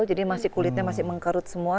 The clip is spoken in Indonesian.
jadi masih kulitnya masih mengkerut semua